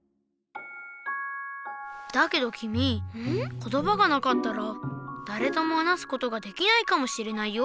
言葉がなかったらだれとも話すことができないかもしれないよ。